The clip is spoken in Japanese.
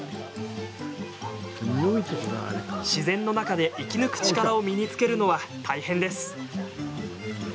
自然の中で生き抜く力を身につけるのは大変です。